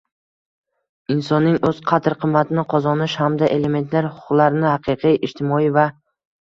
insonning o‘z qadr qimmatini qozonish hamda elementar huquqlarini, haqiqiy ijtimoiy va